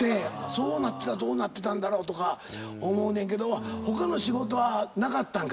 そうなってたらどうなってたんだろうとか思うねんけど他の仕事はなかったんか？